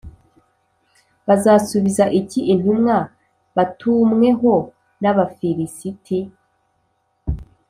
Bazasubiza iki intumwa batumweho n’Abafilisiti ?